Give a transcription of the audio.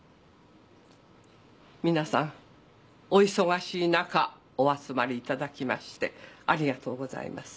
皆さんお忙しい中お集まりいただきましてありがとうございます。